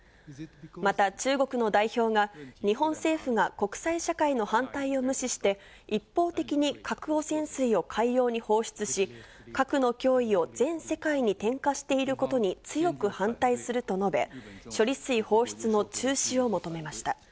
また中国の代表が、日本政府が国際社会の反対を無視して、一方的に核汚染水を海洋に放出し、核の脅威を全世界に転嫁していることに強く反対すると述べ、処理水放出の中止を求めました。